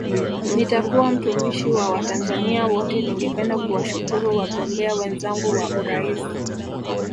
Nitakuwa mtumishi wa Watanzania wote Ningependa kuwashukuru wagombea wenzangu wa urais